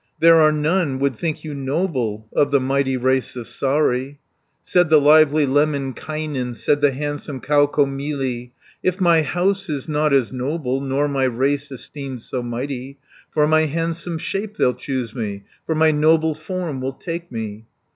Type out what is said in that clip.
70 There are none would think you noble Of the mighty race of Saari." Said the lively Lemminkainen, Said the handsome Kaukomieli, "If my house is not as noble, Nor my race esteemed so mighty, For my handsome shape they'll choose me, For my noble form will take me."